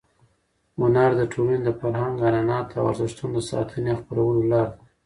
هنر د ټولنې د فرهنګ، عنعناتو او ارزښتونو د ساتنې او خپرولو لار ده.